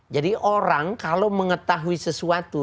jadi orang kalau mengetahui sesuatu